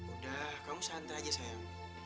udah kamu santai aja sayang